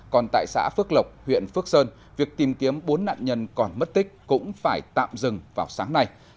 còn tại xã phước lộc huyện phước sơn việc tìm kiếm bốn nạn nhân còn mất tích cũng phải tạm dừng vào sáng nay